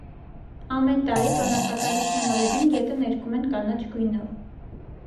Ամեն տարի, տոնակատարության օրերին, գետը ներկում են կանաչ գույնով։